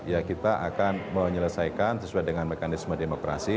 ya kita akan menyelesaikan sesuai dengan mekanisme demokrasi